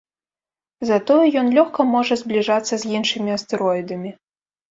Затое ён лёгка можа збліжацца з іншымі астэроідамі.